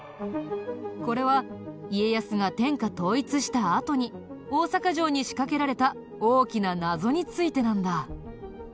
これは家康が天下統一したあとに大坂城に仕掛けられた大きな謎についてなんだ。